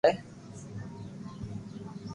اووي ٻيئي اسڪول پپڙيا ھارين جائي